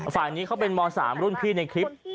ฝ่ายนี้เขาเป็นม๓รุ่นพี่ในคลิป